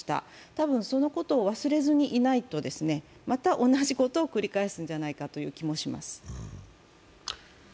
たぶん、そのことを忘れずにいないと、また同じことを繰り返すんじゃないかという気もします。